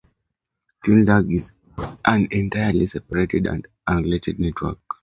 Teenlug is an entirely separate and unrelated network.